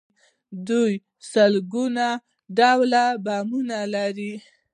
دوی سلګونه ډوله بمونه لري.